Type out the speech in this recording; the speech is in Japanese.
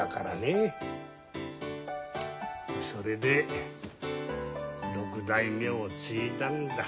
それで六代目を継いだんだ。